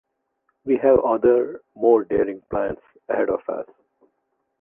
We have other, more daring plans ahead of us.